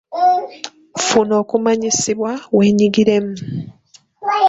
Funa okumanyisibwa, weenyigiremu!